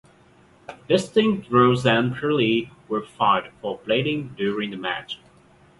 Dustin Rhodes and Bully were fired for blading during the match.